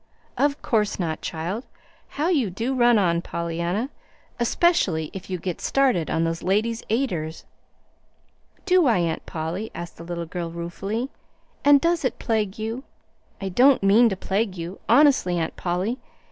"Of course not, child! How you do run on, Pollyanna, especially if you get started on those Ladies' Aiders!" "Do I, Aunt Polly?" asked the little girl, ruefully. "And does it plague you? I don't mean to plague you, honestly, Aunt Polly.